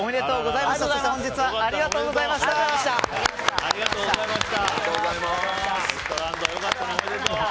そして本日はありがとうございました。